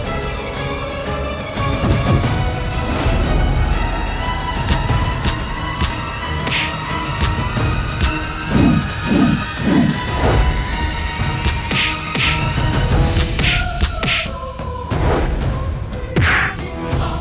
aku harus cari airus cepatnya